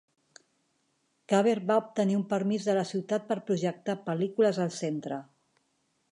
Caver va obtenir un permís de la ciutat per projectar pel·lícules al centre.